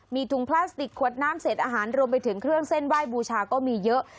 มีถุงพลาสติกขวดน้ำเศษอาหารรวมไปถึงเครื่องเส้นไหว้บูชาก็มีเยอะ